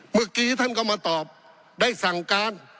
เมื่อกี้ท่านก็มาตอบได้สั่งการ